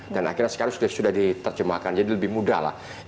dan akhirnya sekarang sudah diterjemahkan jadi lebih mudah lah